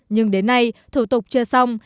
nhưng đến nay thủ tục chưa xong